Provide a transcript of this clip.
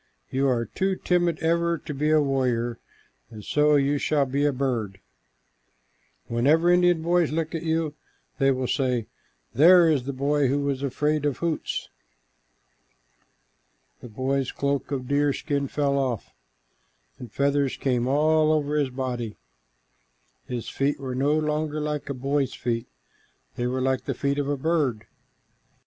You are too timid ever to be a warrior, and so you shall be a bird. Whenever Indian boys look at you, they will say, 'There is the boy who was afraid of Hoots.'" The boy's cloak of deerskin fell off, and feathers came out all over his body. His feet were no longer like a boy's feet, they were like the feet of a bird.